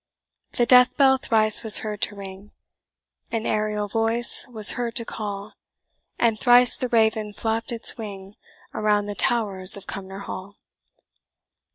The death bell thrice was heard to ring, An aerial voice was heard to call, And thrice the raven flapp'd its wing Around the towers of Cumnor Hall.